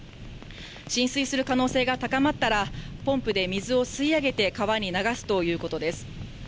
浸水する可能性が高まったら、ポンプで水を吸い上げて川に流すということです。